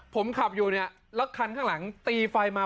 ผมขับอยู่เนี่ยแล้วคันข้างหลังตีไฟมา